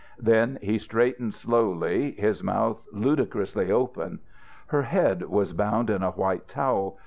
Then he straightened slowly, his mouth ludicrously open. Her head was bound in a white towel.